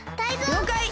りょうかい！